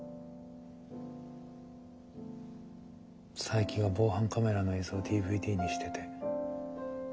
佐伯が防犯カメラの映像をＤＶＤにしてて。